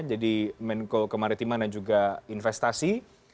jadi menko kemaritiman dan juga investasi